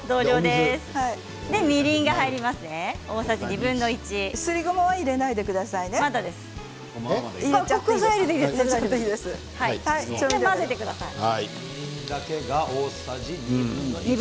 すりごまはまだ入れないで混ぜてください。